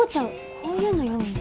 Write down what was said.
こういうの読むの？